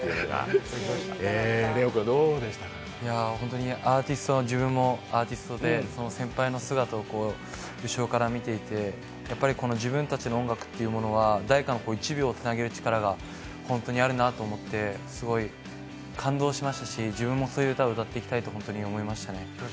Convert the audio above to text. ホントに自分もアーティストで先輩の姿を後ろから見ていて自分たちの音楽というものは、誰かの１秒をつなげる力が本当にあるなと思ってすごい感動しましたし自分もそういう歌を歌っていきたいと思いました。